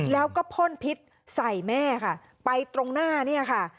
แล้วก็พ่นพิษใส่แม่ค่ะไปตรงหน้าเนี่ยค่ะ